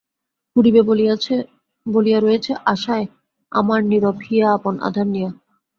পুড়িবে বলিয়া রয়েছে আশায় আমার নীরব হিয়া আপন আঁধার নিয়া।